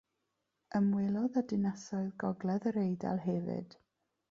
Ymwelodd a dinasoedd gogledd yr Eidal hefyd.